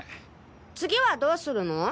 次はどうするの？